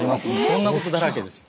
そんなことだらけです。